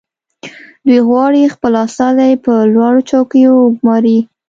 دوی غواړي خپل استازي په لوړو چوکیو وګماري